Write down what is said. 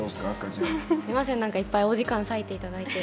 すいませんいっぱいお時間割いていただいて。